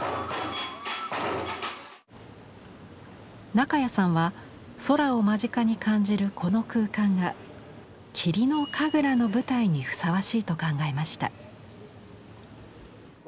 中谷さんは空を間近に感じるこの空間が霧の神楽の舞台にふさわしいと考えました。